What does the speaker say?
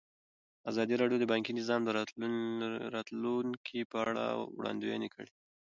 ازادي راډیو د بانکي نظام د راتلونکې په اړه وړاندوینې کړې.